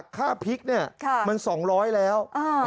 ค่าพริกเนี่ยมัน๒๐๐แล้ว